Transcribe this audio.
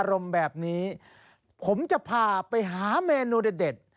รมแบบนี้ผมจะพาไปหาเมนูเด็ด